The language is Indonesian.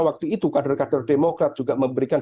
waktu itu kader kader demokrat juga memberikan